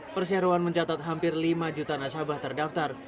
perseroan mencatat hampir lima juta nasabah terdaftar